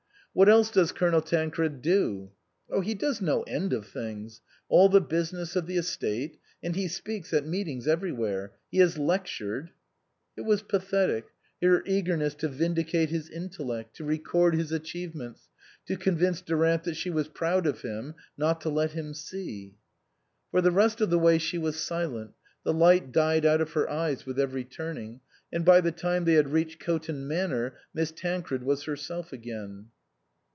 " What else does Colonel Tancred do ?"" He does no end of things. All the business of the estate ; and he speaks, at meetings, everywhere. He has lectured " It was pathetic, her eagerness to vindicate his intellect, to record his achievements, to convince Durant that she was proud of him, not to let him see. For the rest of the way she was silent, the light died out of her eyes with every turning, and by the time they had reached Coton Manor Miss Tancred was herself again.